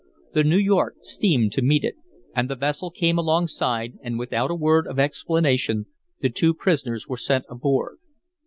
The New York steamed to meet it; and the vessel came alongside and without a word of explanation the two prisoners were sent aboard.